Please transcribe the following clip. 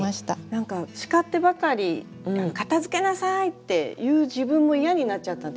何か叱ってばかり片づけなさいって言う自分も嫌になっちゃったんですよ。